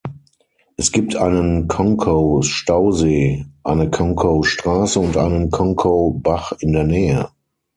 Es gibt einen Concow Stausee, eine Concow Straße und einen Concow Bach in der Nähe.